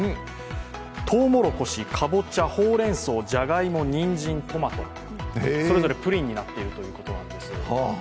とうもろこし、かぼちゃ、ほうれんそう、じゃがいも、にんじん、トマトそれぞれプリンになっているということなんです。